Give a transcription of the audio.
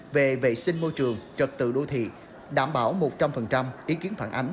về vệ sinh môi trường trật tự đô thị đảm bảo một trăm linh ý kiến phản ánh